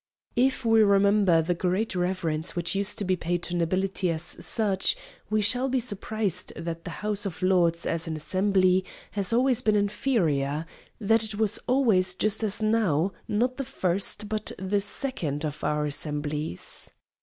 If we remember the great reverence which used to be paid to nobility as such, we shall be surprised that the House of Lords as an assembly, has always been inferior; that it was always just as now, not the first, but the second of our assemblies.